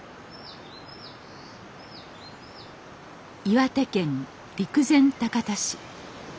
岩手県陸前高田市。